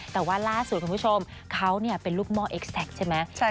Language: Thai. แต่ว่าล่าสุดคุณผู้ชมเขาเนี่ยเป็นลูกม่อใช่ไหมใช่ค่ะ